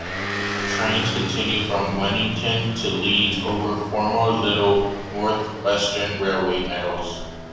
Trains continue from Wennington to Leeds over former "little" North Western Railway metals.